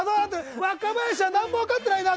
若林さん何も分かってないなって。